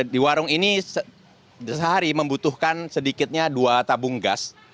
di warung ini sehari membutuhkan sedikitnya dua tabung gas